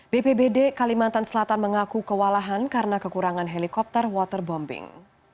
bpbd kalimantan selatan mengaku kewalahan karena kekurangan helikopter waterbombing